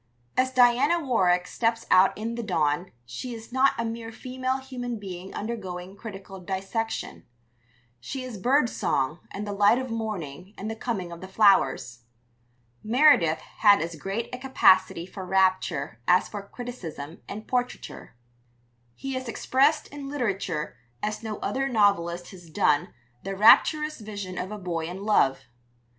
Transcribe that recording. As Diana Warwick steps out in the dawn she is not a mere female human being undergoing critical dissection; she is bird song and the light of morning and the coming of the flowers. Meredith had as great a capacity for rapture as for criticism and portraiture. He has expressed in literature as no other novelist has done the rapturous vision of a boy in love.